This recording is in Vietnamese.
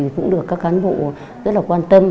cũng được các cán bộ rất là quan tâm